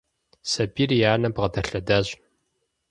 Сабийр и анэм бгъэдэлъэдащ.